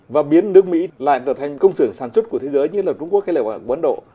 và biến nước mỹ lại trở thành công sưởng sản xuất của thế giới như là trung quốc hay là ấn độ